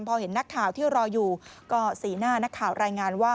พอเห็นนักข่าวที่รออยู่ก็สีหน้านักข่าวรายงานว่า